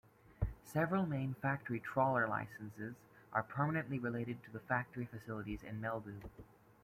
Several main factory trawler licenses are permanently related to the factory facilities in Melbu.